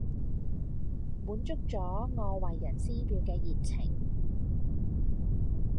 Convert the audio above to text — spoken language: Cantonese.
滿足咗我為人師表嘅熱情